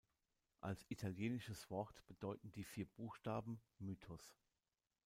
Als italienisches Wort bedeuten die vier Buchstaben Mythos.